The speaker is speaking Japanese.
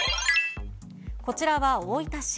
こちらは大分市。